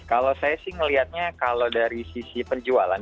kalau saya sih melihatnya kalau dari sisi penjualan